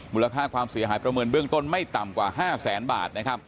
มูลค่าความเสียหายประเมินเบืองต้นไม่ต่ำกว่า๕๐๐๐๐๐บาท